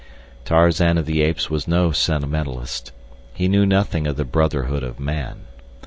Tarzan of the Apes was no sentimentalist. He knew nothing of the brotherhood of man.